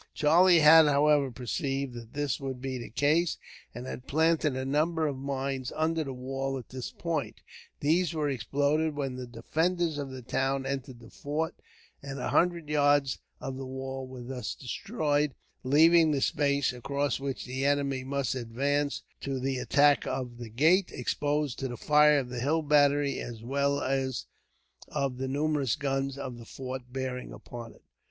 Charlie had, however, perceived that this would be the case, and had planted a number of mines under the wall at this point. These were exploded when the defenders of the town entered the fort, and a hundred yards of the wall were thus destroyed; leaving the space, across which the enemy must advance to the attack of the gate, exposed to the fire of the hill battery, as well as of the numerous guns of the fort bearing upon it.